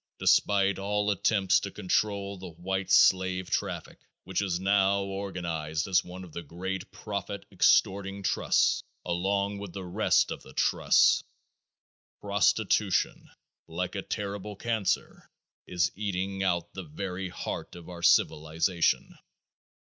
Despite all attempts to control the white slave traffic, which is now organized as one of the great profit extorting trusts, along with the rest of the trusts, prostitution, like a terrible cancer, is eating out the very heart of our civilization.